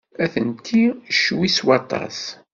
Atenti ccwi s waṭas.